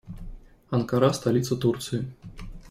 Анкара - столица Турции.